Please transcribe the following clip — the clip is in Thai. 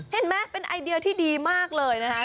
เห็นไหมเป็นไอเดียที่ดีมากเลยนะคะ